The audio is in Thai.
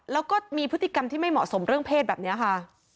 แล้วก็มีพฤติกรรมที่ไม่เหมาะสมเรื่องเพศแบบนี้ค่ะ